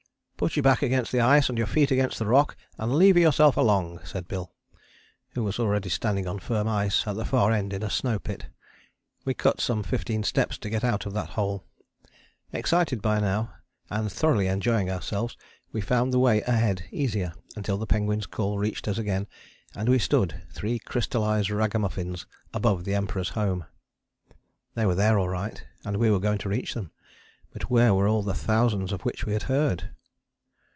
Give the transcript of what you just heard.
"Put your back against the ice and your feet against the rock and lever yourself along," said Bill, who was already standing on firm ice at the far end in a snow pit. We cut some fifteen steps to get out of that hole. Excited by now, and thoroughly enjoying ourselves, we found the way ahead easier, until the penguins' call reached us again and we stood, three crystallized ragamuffins, above the Emperors' home. They were there all right, and we were going to reach them, but where were all the thousands of which we had heard?